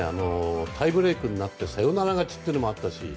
タイブレークになってサヨナラ勝ちもあったし。